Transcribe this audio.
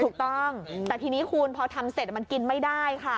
ถูกต้องแต่ทีนี้คุณพอทำเสร็จมันกินไม่ได้ค่ะ